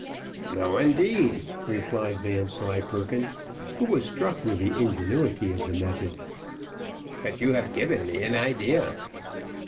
"No, indeed," replied Vanslyperken, who was struck with the ingenuity of the method; "but you have given me an idea."